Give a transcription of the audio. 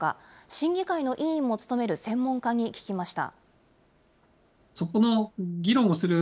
審議会の委員も務める専門家に聞きました。